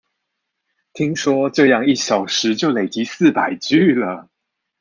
聽說這樣一小時就累積四百句了